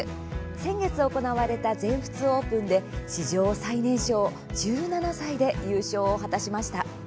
先月行われた、全仏オープンで史上最年少、１７歳で優勝を果たしました。